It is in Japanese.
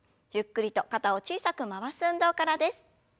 ゆっくりと肩を小さく回す運動からです。